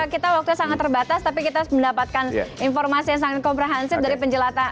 kita waktunya sangat terbatas tapi kita mendapatkan informasi yang sangat komprehensif dari penjelatan